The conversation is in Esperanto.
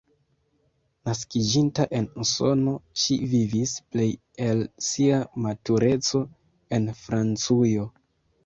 Naskiĝinta en Usono, ŝi vivis plej el sia matureco en Francujo.